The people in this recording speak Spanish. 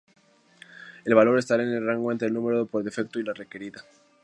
El valor estará en el rango entre el número por defecto y la requerida.